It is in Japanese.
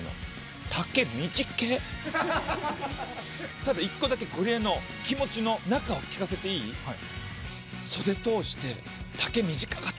ただ１個だけゴリエの気持ちの中を聞かせていい？